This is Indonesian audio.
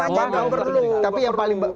tapi yang paling tidak bapak bapak kita setuju